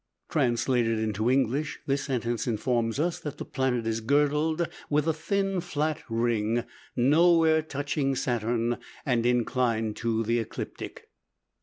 _" Translated into English, this sentence informs us that the planet "is girdled with a thin, flat ring, nowhere touching Saturn, and inclined to the ecliptic"!